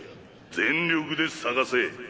全力で捜せ。